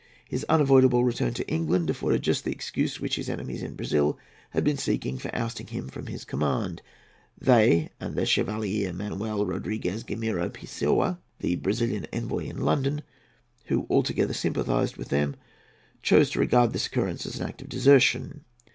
His unavoidable return to England afforded just the excuse which his enemies in Brazil had been seeking for ousting him from his command. They and the Chevalier Manoel Rodriguez Gameiro Pessoa, the Brazilian Envoy in London, who altogether sympathised with them, chose to regard this occurrence as an act of desertion.